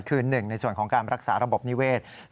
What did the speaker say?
คือหนึ่งในส่วนของการรักษาระบบนิเวศ